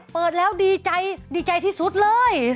เปิดแล้วดีใจดีใจที่สุดเลย